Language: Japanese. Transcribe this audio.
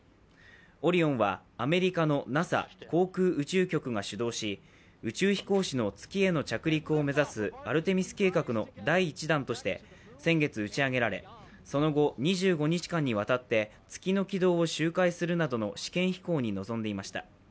「オリオン」はアメリカのＮＡＳＡ＝アメリカ航空宇宙局が主導し、宇宙飛行士の月への着陸を目指すアルテミス計画の第１弾として先月打ち上げられその後２５日間にわたって月の軌道を周回するなどの試験飛行に臨んでいました。